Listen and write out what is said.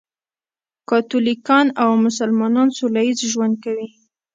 کاتولیکان او مسلمانان سولهییز ژوند کوي.